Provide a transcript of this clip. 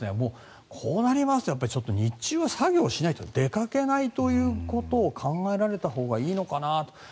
こうなりますと日中は作業しないと出かけないということを考えられたほうがいいのかなと。